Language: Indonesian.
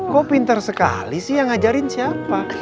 kok pintar sekali sih yang ngajarin siapa